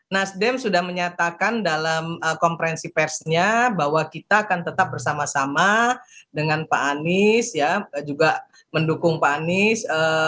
nasdem sudah menyatakan dalam konferensi persnya bahwa kita akan tetap bersama sama dengan pak anies juga mendukung pak anies